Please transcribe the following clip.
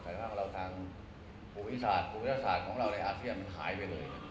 อุปกฤษฐศาสตร์ของเราในอาเซียมมันหายไปเลย